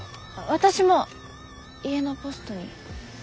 私も家のポストに。